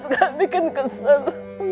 suka bikin kesel